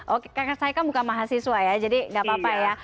oke saya kan bukan mahasiswa ya jadi gak apa apa ya